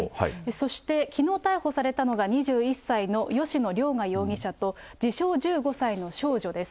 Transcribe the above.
そして、きのう逮捕されたのが、２１歳の吉野凌雅容疑者と、自称１５歳の少女です。